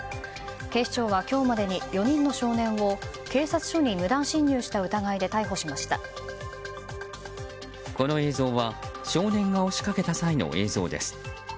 警視庁は今日までに４人の少年を警察署にこの映像は少年が押し掛けた際の映像です。